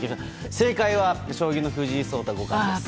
正解は将棋の藤井聡太五冠です。